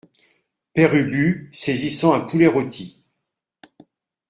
Père Ubu , saisissant un poulet rôti.